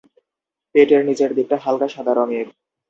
পেটের নিচের দিকটা হালকা সাদা রঙের।